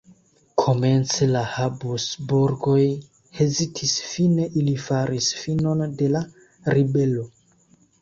Komence la Habsburgoj hezitis, fine ili faris finon de la ribelo.